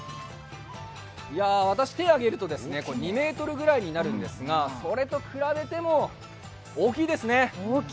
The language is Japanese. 私、手を挙げると２ｍぐらいになるんですが、それと比べても大きいですね。